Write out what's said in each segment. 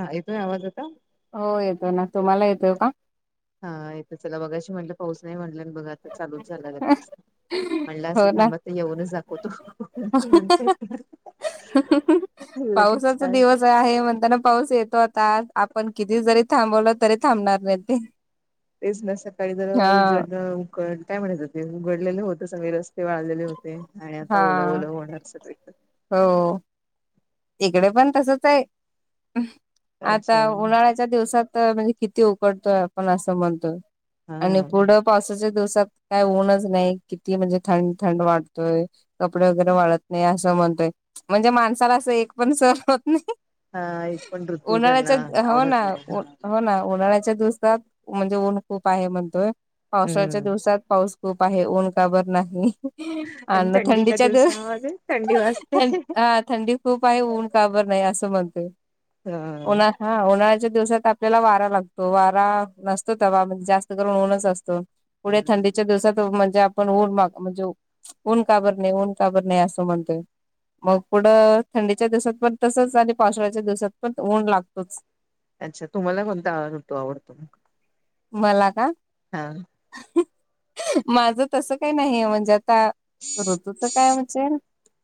हा एतोय आवाज आता? हो येतो ना तुम्हाला येतोय का? हा तर चला बघायशी म्हटलं पाऊस नाही म्हटला आणि बघा आता चालूच झाला लगेच. म्हणलं असं हो ना. थांबत येऊनच दाखवतो म्हणताय ह लगेचछ पावसाचा दिवस आहे म्हणताना पाऊस येतो आता आपण किती जरी थांबवलं तरी थांबणार नाही ते तेच ना सकाळी जर हा उजड काय म्हणायचं ते उघडलेले होत सगळे रस्ते वाळलेले होते. आणि आता हा ओलं ओलं होणार सगळीकडे हो इकडे पण तसच आहे अच्छा आता उन्हाळ्या च्या दिवसात म्हणजे किती उकडतो आपण असं म्हणतो आणि हा. पुढ पावसाच्या दिवसात काय ऊनच नाही किती म्हणजे थंड थंड वाढतोय. कपडे वगैरे वाळत नाही असं म्हणतोय म्हणजे माणसाला असं एक पण सहण होत नाही. हा एक पण ऋतू त्यांना उन्हाळ्याच्या हो ना आवडत नाही हा हो ना उन्हाळ्याच्या दुसत. म्हणजे ऊन खूप आहे म्हणतोय पावसाळच्या हम्म. दिवसात पाऊस खूप आहे ऊन का बर नाही. आणि अ्णा थंडीच्या दिवसामध्ये थंडी वाजते. दिवसं हा थंडी पाय ऊन काबर नाही असं म्हणते. हा हा उन्हाळ्याच्या दिवसात आपल्याला वारा लागतो वारा नसतो त बा जास्त करून ऊन्हच असतो. पुढे हम्म थंडीच्या दिसात म्हणजे आपण ऊन माग म्हणजे ऊन काबर नाही ऊन काबर नाही असं म्हणतोय. मग पुढं थंडीच्या दिवसात पण तसंच आणि पावसाळ्याच्या दिवसात पण ऊन लागतोच. अच्छा तुम्हाला कोणता ऋतू आवडतो म मला का? हा माझं तस काही नाहीय म्हणजे आता ऋतूच काय म्हणजे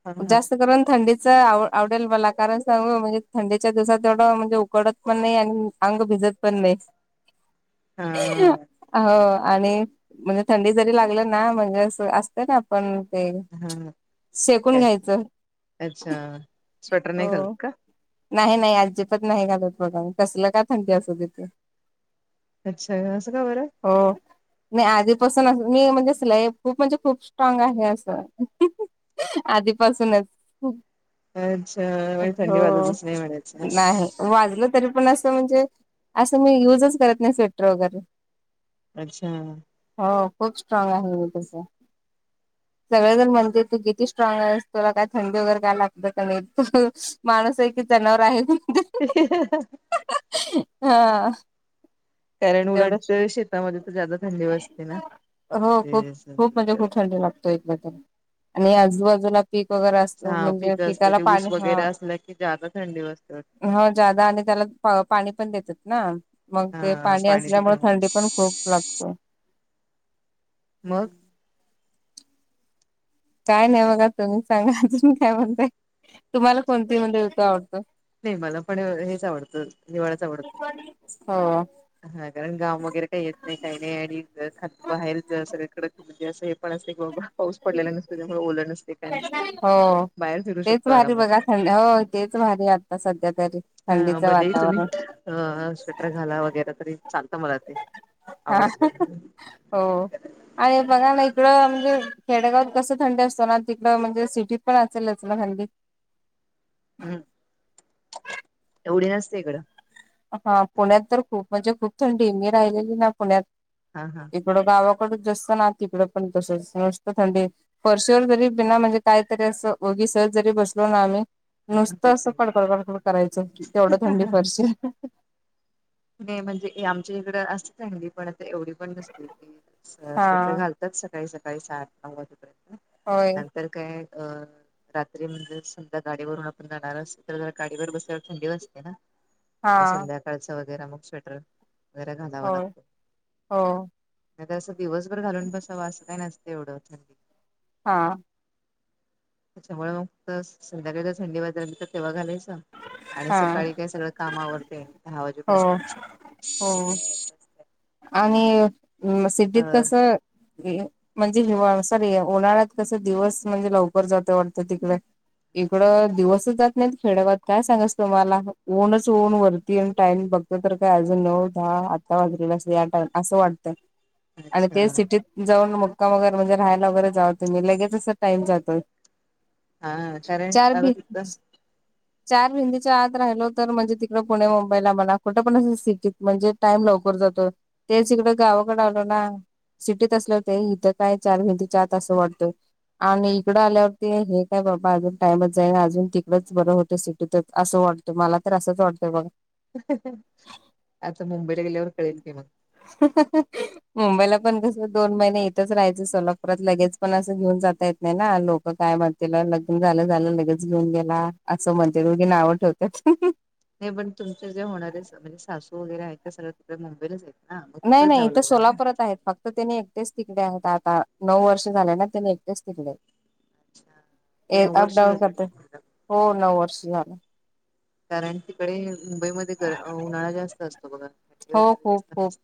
हा हा जास्त करून थंडी आवडेल मला कारण सांग म्हणजे थंडीच्या दिवसात एवढं म्हणजे उकडत पण नाही आणि अंग भिजत. पण नाही. [inaudible] हा हो आणि म्हणजे थंडी जरी लागल ना म्हणजे अस अस. तर आपण ते हा शेकून काय घ्यायचं. अच्छा स्वेटर हो नाही घालत का नाही नाही अजिबात नाही घातात बघा कसलं का थंडी असू दे त. अच्छा असं का बरं. हो नाही आधीपासून मी म्हणजे सलाई खूप म्हणजे खूप स्ट्राग आहे असं. आधीपासूनच खूप अच्छा व थंडी वाधतस नाही म्हच. नाही वाजलं तरी पण असं म्हणजे असं मी युजच करत नाही स्वेटर वगैरे अच्छा हो खूप स्ट्रॉग आहे मी तसं. सगळे जण म्हणते तू किती स्ट्राँग आहेस तुला काय? थंडी वगैरे काय लागत का नाही माणस आहे की जनावर आहे. ह हा कारण उलट तेवढंच तर शेतामध्ये तर जदा थंडी वाजते ना हो ते खूप खूप मजे खूप थंड लागतो एकदा आणि आजूबाजूला पीक वगैरे अस हा म्हणजे पिकं असते पिकायला ते ऊस पाणी हा वगैरे असल्या की जादा थंडी वाजते हो जादा आणि त्याला पाणी पण देतात ना मग ते हा पाणी असल्यामुळे थंडी दिल्यामुळे पण खूप लागते. मग काय नाही बघा तुम्ही सांगा अजून काय म्हणते तुम्हाला कोणती म्हणे ऋतू आवडतो? नाही मला पण हेच आवडतं दिवाळाच आवडतं. हो. हा कारण गाव वगैरे काही येत नाही काही नाही आणि बाहेर ज सगळ्याकडे म्हणजे असं हे पण असेल की बाबा पाऊस पडलेला नसतो त्यामुळे ओलं नसते काय नसते बाहेर फिरू शकतो आरामात थं हो तेच भारी आता सध्या तरी हा थंडीचं भलेही तुम्ही वातावरण. अ स्वेटर घाला वगैरे तरी चालतं मला ते हा आवडतं हो. आणि बघा ना इकडं म्हणजे खेडेगावात कसं थंडी असतो ना तिकडं म्हणजे सिटीत पण असेलच ना थंडी हम्म एवढी नसते इकडं हा पुण्यात तर खूप म्हणजे खूप थंडी मी राहिलेली ना पुण्यात हा हा इकडं गावाकडच जस्त ना तिकड पण तस मस्त थंडी. वर्शीवर जरी बिना म्हणजे काहीतरी असं वगी सहज जरी बसलो ना आम्ही. हा तरी नुसतं असं चांगली कडकड कडकड करायचं तेवढं थंडी फारशी म्हणजे आमच्या इकडं असत चली पण आता एवढी पण नसते की स्वत्र हा घाल सकाळी सकाळी सात नऊ वाजेपर्यंत होय नंतर काय अ रात्री म्हणजे समधा गाडीवरून आपण जाणार अस तर ज गाडीवर बसायला थंडी वा असते ना. मग हा संध्याकाळच वगैरे मग स्वेटर वगैरे घालावा होय लागतो हो नाही तर असं दिवसभर घालून बसावं असं काही नसत एवढं थं हा. त्याच्यामुळे मग संध्याकाळी ज थंडी बाजारली तर तेव्हा घालायच. आणि हा सकाळी काय सगळं काम आवडते दहा हो वाजेपर्यंत. हो आणि अ सिड्डीत कसं म्हणजे हि सॉरी उन्हाळ्यात कस दिवस म्हणजे लवकर जात वाटतं तिकडे. इकडं दिवसच जात. नाही खेडाबाद काय सांगाय तु मला ऊनच ऊन वरती टाईम बघत तर काय अजून नऊ दहा. ा असं वाटतं आणि अच्छा ते सिटीत.. जाऊन मक्कामगैर म्हणजे राहायला वगैरे जाव तु म्ी लगेच असं टाइम जातोय. हा कारण चार आता बी [inaudible] चार हिंदीच्या आत राहिलो तर म्हणजे तिकडे पुणे मुंबईला मला कुठे पण सिटीत म्हणजे टाइम लवकर जातो. ते त इिकडं गावाकडे आल ना सिटीत असल होते इथं काय चार भिंती तसं वाटतं आणि इकडं आल्यावरती हे काय बाबा अजून टाइमच जाईल अजून तिकडंच बरं होतं सिटीतच असं वाट? तुम्हाला तर असंच वाटतंय बघ आता मुंबईला गेल्यावर कळेल की मग? ह ह मुंबईला पण कस दोन महिने इथंच राहायचं सोलापुरात लगेच पण असं घेऊन जाता येत नाही ना लोक काय म्हण. त्याला लग्न झालं झालं लगेच घेऊन गेला असं म्हणते दोघीना आवट होत नाही पण तुमचे जेणारे म्हणजे सासू वगैरे आहेत त्या सगळ्या तडे मुंबईलाच आहेत ना मग नाही तिकडेच नाही जावं इथं लागणार ना. सोलापुरात आहेत फक्त तर त्याने एकटेच तिकडे आहेत आता नऊ वर्ष झाले ना त्याने एकटेच तिकडे अच्छा, म्हणजे नऊ एक अप वर्ष डाऊन झाली करत नोकरीला. हो नऊ वर्ष झालं कारण तिकडे मुंबईमध्ये उन्हाळा जास्त असतो बघा खे हो वगैरे खूप खूप जास्तत.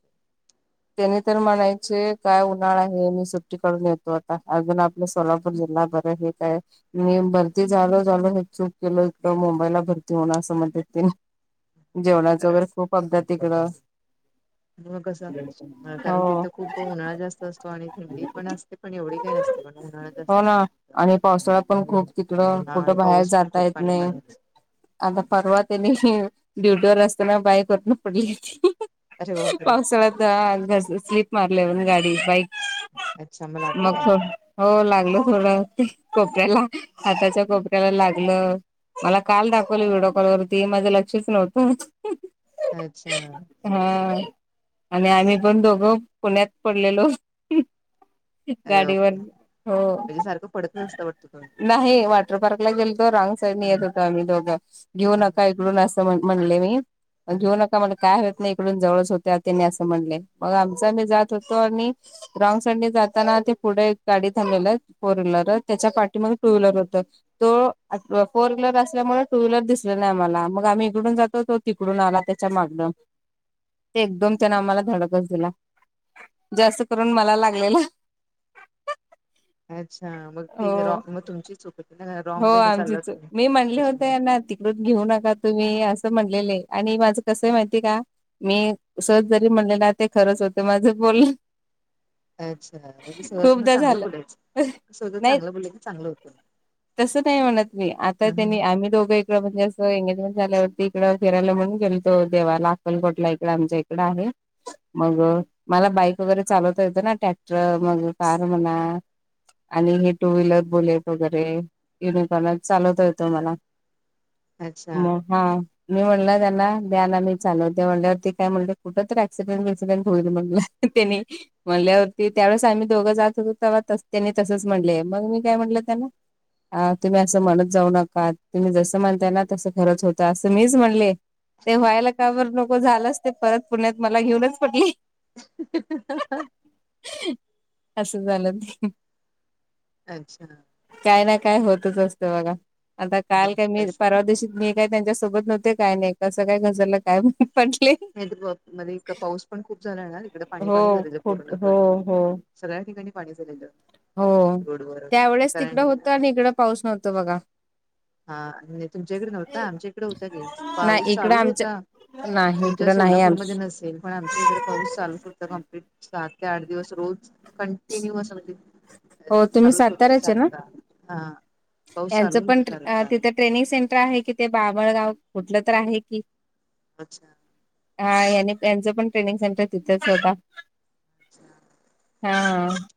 त्यानी तर म्हणायचे काय उन्हाळा आहे मी सुट्टीकडून येतो आता अजून! आप सोलापूर जिल्हा बर हे का आहे. मी भरती झालो झालो हे चूक केल इकं मुंबईला भरती होणं असं म्हणत. हा जेवणाच कारण वगैरे खूप अपदात तिकडं मग कसं कारण हो तिथं खूप उन्हाळा जास्त असतो आणि थंडी पण असते पण एवढी काही नसते पण उन्हाळा जास्त. हो ना असतो. तिथं. आणि पावसाळा पण खूप तिकड हा आणि कुठं बाहेर पाऊस पण जाता खूप येत पाणी नाही. पाणीच आता परवा त्यांदिवशी ड्युटी वर असताना बाईक वरना पडली होती. अरे बापरे पावसाळ्यात हा घस स्लीप मारल वर गाडी बाईक अच्छा लागलं मग काय? फग हो लागलं थोडं कोपऱ्याला हाताच्या कोपऱ्याला लागलं. मला काल दाखवल व्हिडिओ कॉल वरती माझं लक्षच नव्हतं. अच्छा हा आणि आम्ही पण दोघं पुण्यात पडलेलो. अरे गाडीवर बापरे हो म्हणजे सारखं पडतच असतं वाटतं तुम्ही नाही वॉटर पार्कला गेलतो रॉंग साईडनी हा येत होतो आम्ही दोघं घेऊ हा नका हा. इडून असं म म्हणले मी अ हा. घेऊ नका म्हण काय होत नाय इकडून जवळच होत्यात त्यांनी असं म्हणलय मग आमचा आमी जात होतो आणि रॉग साईडने जाताना ते पुढ एक गाडी थांबलेलं फोर व्हीलर त्याच्या पाठीमाग टू व्हीलर होत. तो आत फोर व्हीलर असल्यामुळे टू व्हीलर दिसली नाय आम्हाला मग आम्ही इकडून जातोतो तिकडून आला त्याच्या मागनं एकदम त्यानं आम्हाला धडकच दिला जास्त करून मला लागलेल. अच्छा मग ते रॉक म तुमची चुक ये. हो आमचीच चुक मी म्हणले होते त्याच्या याना ति कडून घेऊ नका तुम्ही असं म्हणलेले आणि माझं कसं माहितीये का? मी सहज जरी म्हणले ना ते खरंच होते माझं बोलन. अच्छा म्हणजे सहजच म खूपदा चांगलं झालं बोलायचं सगळं नाही चांगलं बोलेल की चांगलं होत. तसं काय म्हणत नही. आता त्यांनी आम्ही दोघ एक तेव्हा म असं एंगेजमेंट झाल्यावरती इकडं फिरायला म्हणून गेलतो देवाला अक्कलकोटला इकडे आमच्या इकंड आहे. मंग मला बाईक वगैरे चालवता येतं ना टॅक्टर मग कार म्हणा आणि हे टू व्हीलर बुलेट वगैरे [unintelligible] चालवता येतो मला हा म अच्छा हा. मी म्हणलं त्यांना दया ना मी चालवते म्हटल्यावरती टे काय म्हणले कुठं तर ऍक्सिडेंट बिक्सिडेंट होईल म्हणलं त त्यानी म्हणल्यावरती त्यावेळेस आम्ही दोघं जात होतो तवां त्यांनी तसंच म्हणले मग मी काय म्हटलं त्यांना अ तुम्ही असं म्हणत जाऊ नका तुम्ही जसं म्हणताय ना तसं खरंच होतय असं मीच म्हणले. ते व्हायला का बरं नको झालंच ते परत पुण्यात मला घेऊनच पडले. [unintelligible] असं झालं ते अच्छा काय ना काय होतच असतं बघा आता काल नाही काय मी तसं परवा दिवशीचं मी नाय त्यांच्या सोबत नव्हते काय नाय कसं काय घसरल काय माहिती पडले. नायातर [unintelligible] मध्ये इतका पाऊस पण खूप झालाय ना तिकडे पाणी पाणी हो झालेलं खूप पूर्ण हो कडे हो [unintelligible] सगळ्या ठिकाणी पाणी झालेलं. हो रोडवर त्यावेेळेस तिकडं कारण होतं आणि इकडं पाऊस नव्हतं बघा. हा नाय तुमच्याकडे नव्हता आमच्या इकडे होता की नाही पाऊस इकडं चालूच होता. आमच्या नाही तुमच्या इकडं नाही आम सोलापूरमध्ये नसेल पण आमच्या इकड पाऊस चालूच होत कंप्लीट सात ते आठ दिवस रोज कंटिन्यू असं म्हणजे अ हो तुम्ही चालू होता साताराचे ना सारखा हा पाऊस चालून होता. अ सारखा तिथं ट्रेनिंग सेंटर आहे की, ते बाबळगाव कुठलं तर आहे की, अच्छा हा यानी यांचं पण ट्रेनिंग सेंटर तिथेच होता. [unintelligible] हा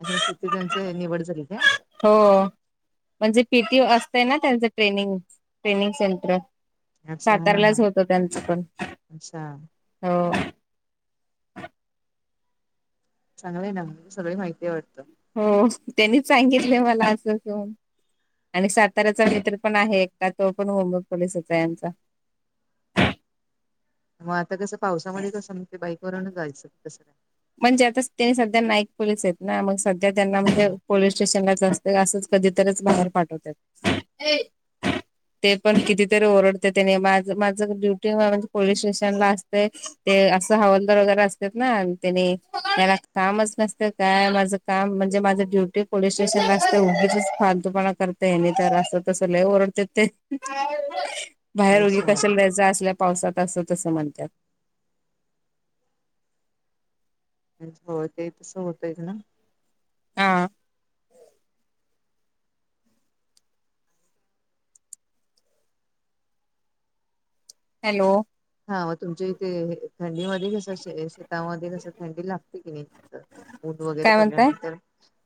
अच्छा तिथे त्यांचा एरिया वड झाली का? हो म्हणजे पीटी असते ना त्यांचं ट्रेनिंग ट्रेनिंग सेंटर. अच्छा हा हा सातारालाच होत त्यांचं पण अच्छा हो. चांगलं आहे ना सगळी माहिती आहे वाटतं. हो त्यांनीच सांगितले मला असं घेऊन. आणि साताऱ्याचा मित्र पण आहे एकटा तो पण मुंबई पोलिसचा आहे यांचा. मग आता कसं पावसामध्ये कसं म्हण ते बाईक वरूनच जायचं तसं म्हणजे आता त्यांनी सध्या नाईक पोलीस आहेतेत ना मग सध्या त्यांना हा म्हणजे हा पोलीस स्टेशनलाच जास्त असंच कधीतरीच बाहेर पाठवतात. ते पण कितीतरी ओरडते त्याने माझ माझं ड्युटी म्हणजे पोलीस स्टेशनला अस तय ते असं हवालदार वगैरे असतात ना त्याने मला कामच नसत काय माझं काम म्हणजे माझं ड्युटी पोलीस स्टेशन असते उगीचच फालतूपणा करताय नाही तर असं तसं लय ओरडते ते बाहेर रोगी अच्छा कशा लज असल्या पावसात असं तसं म्हणतात. म्ह हो ते तसं होतय ग. हा. हॅलो हा मग तुमच्या इथे थंडीमध्ये कसं श शेतामध्ये कस थंडी लागते की नाही. ऊन वगैरे काय म्हणताय पडल्यानंतर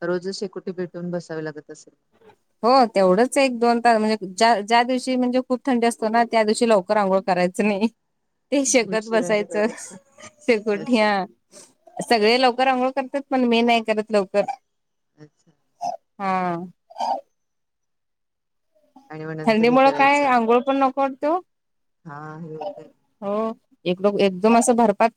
रोजच शेकोटी पेटून बसावे लागत असेल. हो तेवढंच एक दोन तास म्हणजे्या ज्या दिवशी म्हणजे खूप थंडी असतो ना त्या दिवशी लवकर आंघोळ करायचं नाही. [inaudible] ते शेकत भटशिरांनी बसायचं करायचा. अच्छा शेकोट्या. सगळे लवकर अंघोळ करतात पण मी नाही करत लवकर. अच्छा. हा. आणि मग नंतर हे थंडीमुळ काय करायचं आंघोळ पण नको वाटतीय. हा हे होतय. हो. एकडोक एकदम असं भरपात